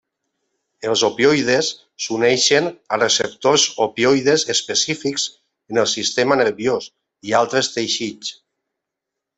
Els opioides s'uneixen a receptors opioides específics en el sistema nerviós i altres teixits.